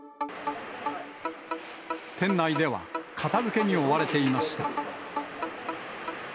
店内では、片づけに追われていました。